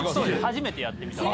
初めてやってみたの。